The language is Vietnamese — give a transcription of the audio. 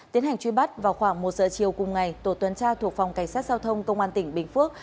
tiến hành truy bắt vào khoảng một giờ chiều cùng ngày tổ tuần tra thuộc phòng cảnh sát giao thông công an tỉnh bình phước